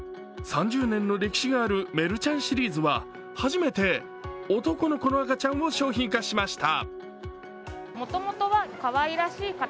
３０年の歴史があるメルちゃんシリーズは初めて男の子の赤ちゃんを商品化しました。